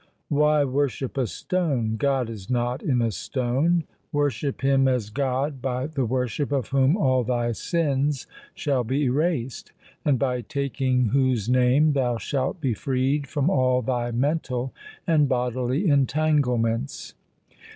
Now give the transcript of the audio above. Why worship a stone ? God is not in a stone. Worship Him as God by the worship of whom all thy sins shall be erased, And by taking whose name thou shalt be freed from all thy mental and bodily entanglements.